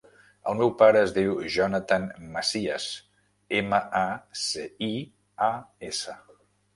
El meu pare es diu Jonathan Macias: ema, a, ce, i, a, essa.